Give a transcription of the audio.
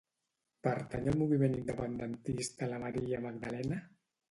Pertany al moviment independentista la Maria Magdalena?